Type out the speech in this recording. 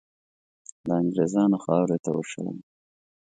د انګریزانو خاورې ته وشړل.